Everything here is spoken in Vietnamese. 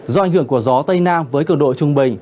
do ảnh hưởng của gió tây nam với cường độ trung bình